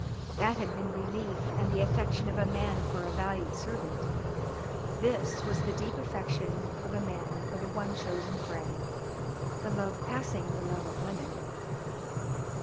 That had been relief and the affection of a man for a valued servant, this was the deep affection of a man for the one chosen friend, the love passing the love of women.